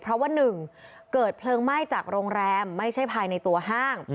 เพราะว่าหนึ่งเกิดเพลิงไหม้จากโรงแรมไม่ใช่ภายในตัวห้าง